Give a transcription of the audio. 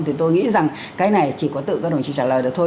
thì tôi nghĩ rằng cái này chỉ có tự các đồng chí trả lời được thôi